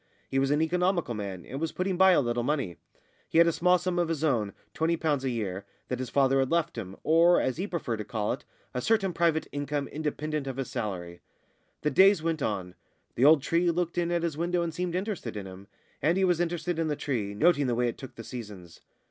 He was an economical man, and was putting by a little money. He had a small sum of his own £20 a year that his father had left him, or, as he preferred to call it, a certain private income independent of his salary. The days went on; the old tree looked in at his window and seemed interested in him, and he was interested in the tree, noting the way it took the seasons.